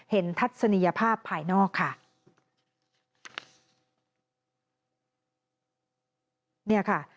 เห็นทัศนีภาพภายนอกค่ะ